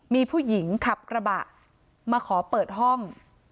มีผู้หญิงขับกระบะมาขอเปิดห้อง